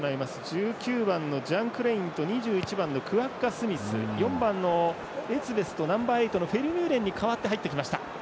１９番のジャン・クレインと２１番のクワッガ・スミス４番のエツベスとナンバーエイトのフェルミューレンに代わって入ってきました。